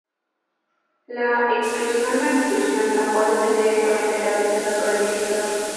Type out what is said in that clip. La exclusión o expulsión no puede ser directamente realizada por el director.